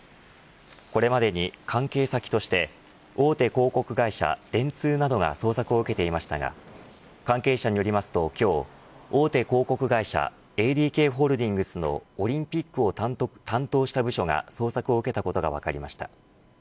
これまでに関係先として大手広告会社電通などが捜索を受けていましたが関係者によりますと今日大手広告会社ＡＤＫホールディングスのオリンピックを担当した部署が捜索を受けたことが分かりました。